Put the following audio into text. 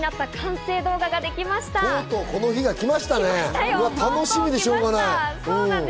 楽しみでしょうがない。